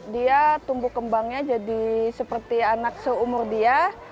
dia tumbuh kembangnya jadi seperti anak seumur dia